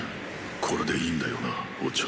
これでいいんだよなオチョ」。